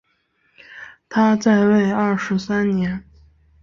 他在位二十三年。